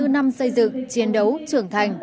bảy mươi năm năm xây dựng chiến đấu trưởng thành